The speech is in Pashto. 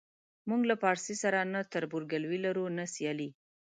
موږ له پارسي سره نه تربورګلوي لرو نه سیالي.